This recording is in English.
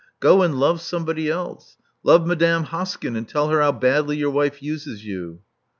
Go and love somebody else. Love Madame Hoskyn; and tell her how badly your wife uses you."